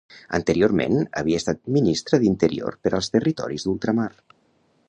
Anteriorment havia estat ministra d'Interior per als Territoris d'Ultramar.